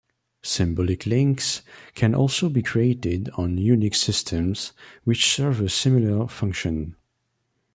Symbolic links can also be created on Unix systems, which serve a similar function.